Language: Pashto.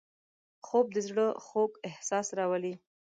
خوب د زړه خوږ احساس راولي